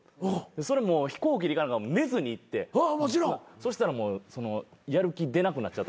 それもう飛行機で寝ずに行ってそしたらもうやる気出なくなっちゃった。